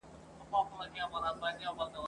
له يو څو پرته په نېستي شمېرل کېږي